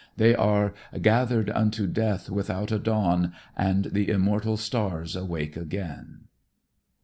They are, "Gathered unto death without a dawn. And the immortal stars awake again."